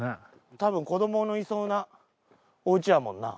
たぶん子どものいそうなお家やもんな。